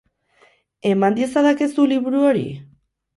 Eman diezadakezu liburu hori?